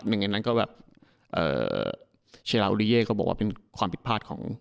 หนึ่งอันนั้นก็แบบเอ่อเชลลาอูดิเย่ก็บอกว่าเป็นความผิดพลาดของ